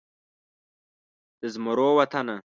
د زمرو وطنه